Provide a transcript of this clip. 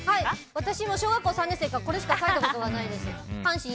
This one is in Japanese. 私も小学校３年生からこれしか書いたことないです。